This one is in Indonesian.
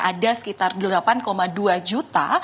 ada sekitar delapan dua juta